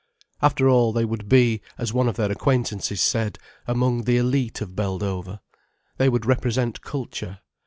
After all, they would be, as one of their acquaintances said, among the elite of Beldover. They would represent culture.